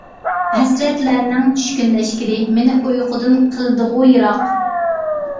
ھەسرەتلەرنىڭ چۈشكۈن لەشكىرى، مېنى ئۇيقۇدىن قىلدىغۇ يىراق.